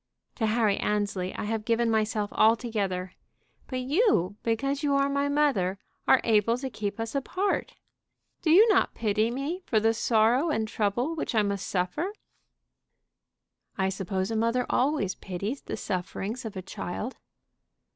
To Harry Annesley I have given myself altogether; but you, because you are my mother, are able to keep us apart. Do you not pity me for the sorrow and trouble which I must suffer?" "I suppose a mother always pities the sufferings of a child."